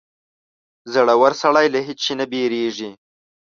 • زړور سړی له هېڅ شي نه وېرېږي.